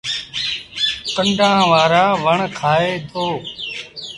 ڪنڊآن وآرآ وڻ کآئي دو۔